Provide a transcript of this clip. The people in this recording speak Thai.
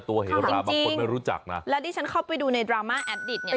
เหราบางคนไม่รู้จักนะแล้วที่ฉันเข้าไปดูในดราม่าแอดดิตเนี่ย